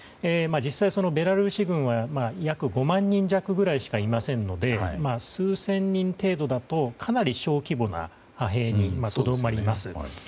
実際、ベラルーシ軍は約５万人弱ぐらいしかいませんので数千人程度だとかなり小規模な派兵にとどまります。